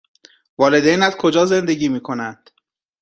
والدینت کجا زندگی می کنند؟